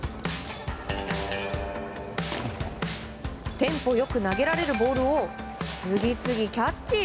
テンポ良く投げられるボールを次々キャッチ！